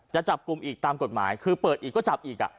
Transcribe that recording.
จะจับกลุ่มอีกตามกฎหมายคือเปิดอีกก็จับอีก